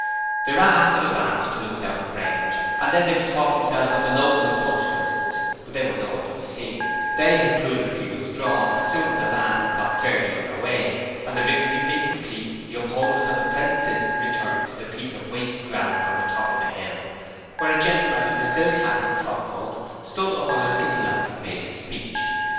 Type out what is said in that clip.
They ran on after the van until it was out of range, and then they bethought themselves of the local Socialists; but they were nowhere to be seen; they had prudently withdrawn as soon as the van had got fairly under way, and the victory being complete, the upholders of the present system returned to the piece of waste ground on the top of the hill, where a gentleman in a silk hat and frockcoat stood up on a little hillock and made a speech.